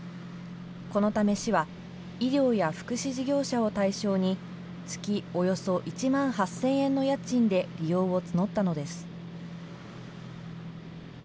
このため、市は医療や福祉事業者を対象に、月およそ１万８０００円の家賃で利用を募ったのです。